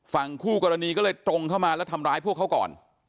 ฝั่งคู่กรณีก็เลยตรงเข้ามาแล้วทำร้ายพวกเขาก่อน